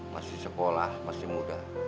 masih sekolah masih muda